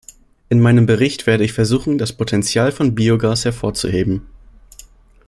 In meinem Bericht werde ich versuchen, das Potenzial von Biogas hervorzuheben.